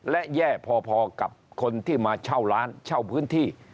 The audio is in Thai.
และแย่พอกับคนที่มาเช่าร้านเช่าพื้นที่